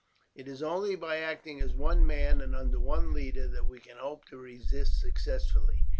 "It is only by acting as one man and under one leader that we can hope to resist successfully.